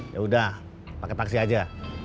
yaudah pake taksi aja